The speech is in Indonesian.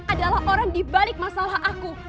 adalah orang dibalik masalah aku